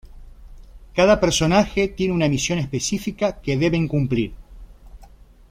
Cada personaje tiene una misión específica que deben cumplir.